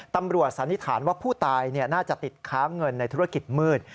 สันนิษฐานว่าผู้ตายน่าจะติดค้างเงินในธุรกิจมืด